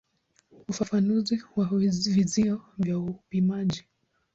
Ufafanuzi wa vizio vya upimaji.